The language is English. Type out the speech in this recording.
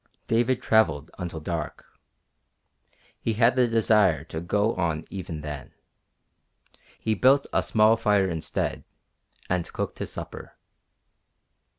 David travelled until dark. He had the desire to go on even then. He built a small fire instead, and cooked his supper.